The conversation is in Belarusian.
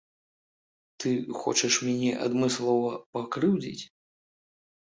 Ты хочаш мяне адмыслова пакрыўдзіць?